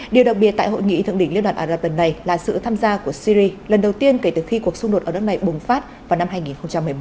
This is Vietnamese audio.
điều đặc biệt tại hội nghị thượng đỉnh liên đoàn ả rập lần này là sự tham gia của syri lần đầu tiên kể từ khi cuộc xung đột ở đất này bùng phát vào năm hai nghìn một mươi một